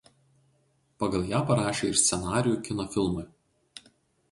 Pagal ją parašė ir scenarijų kino filmui.